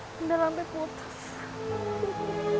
sedal sampe putus